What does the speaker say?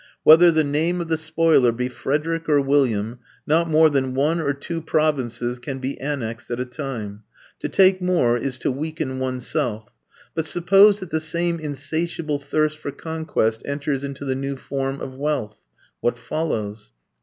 Whether the name of the spoiler be Frederick or William, not more than one or two provinces can be annexed at a time: to take more is to weaken oneself. But suppose that the same insatiable thirst for conquest enters into the new form of wealth what follows?